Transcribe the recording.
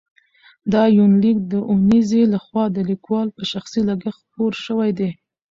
دا یونلیک د اونیزې له خوا د لیکوال په شخصي لګښت خپور شوی دی.